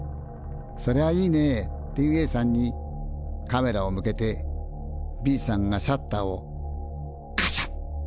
「それはいいね」っていうＡさんにカメラを向けてＢさんがシャッターをカシャッ！